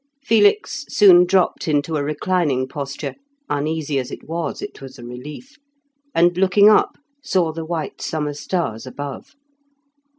Felix soon dropped into a reclining posture (uneasy as it was, it was a relief), and looking up, saw the white summer stars above.